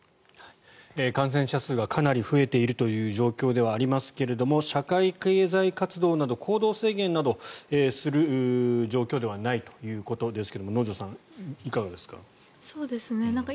感染者数がかなり増えているという状況ではありますけれども社会経済活動など行動制限などする状況ではないということですが能條さん、いかがですか。